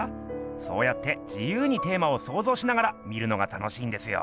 そうやって自由にテーマをそうぞうしながら見るのが楽しいんですよ。